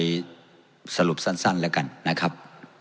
ก็สรุปสั้นกันนะครับ